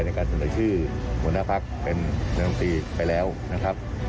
ในการสำนักชื่อหัวหน้าภักษ์เป็นนักหนุ่มปีไปแล้วนะครับ